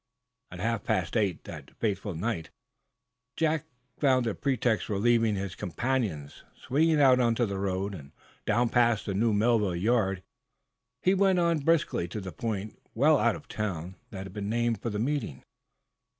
At half past eight that fateful night Captain Jack found a pretext for leaving his companions. Swinging out onto the road, and down past the new Melville yard, he went on briskly to the point, well out of town, that had been named for the meeting.